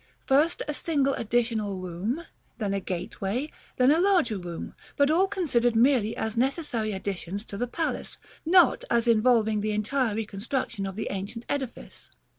First a single additional room, then a gateway, then a larger room; but all considered merely as necessary additions to the palace, not as involving the entire reconstruction of the ancient edifice.